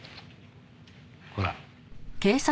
ほら。